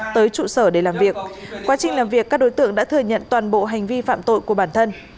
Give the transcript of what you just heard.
tới trụ sở để làm việc quá trình làm việc các đối tượng đã thừa nhận toàn bộ hành vi phạm tội của bản thân